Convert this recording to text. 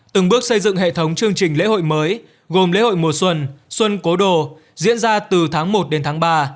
từng bước xây dựng hệ thống chương trình lễ hội mới gồm lễ hội mùa xuân xuân cố đồ diễn ra từ tháng một đến tháng ba